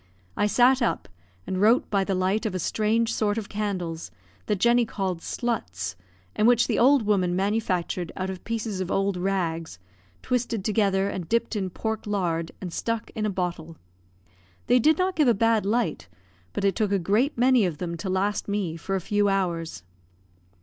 I sat up, and wrote by the light of a strange sort of candles, that Jenny called "sluts," and which the old woman manufactured out of pieces of old rags, twisted together and dipped in pork lard, and stuck in a bottle. They did not give a bad light, but it took a great many of them to last me for a few hours.